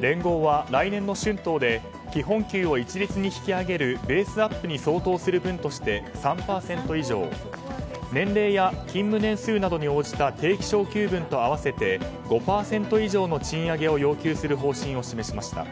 連合は来年の春闘で基本給を一律に引き上げるベースアップに相当する分として３％以上年齢や勤務年数などに応じた定期昇給分と合わせて５％以上の賃上げを要求する方針を示しました。